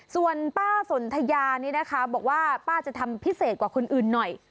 ส่วนป้าสนทยานี่นะคะบอกว่าป้าจะทำพิเศษกว่าคนอื่นหน่อย